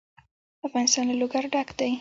افغانستان له لوگر ډک دی.